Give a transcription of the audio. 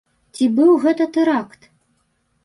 Ці быў гэта тэракт?